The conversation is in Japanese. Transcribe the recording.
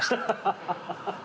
ハハハハハ！